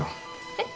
えっ？